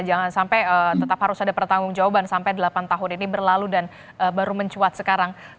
jangan sampai tetap harus ada pertanggung jawaban sampai delapan tahun ini berlalu dan baru mencuat sekarang